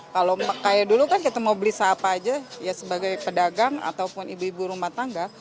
kalau kayak dulu kan kita mau beli sahapa aja ya sebagai pedagang ataupun ibu ibu rumah tangga